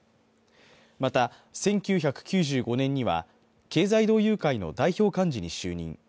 また１９９５年には経済同友会の代表幹事に就任。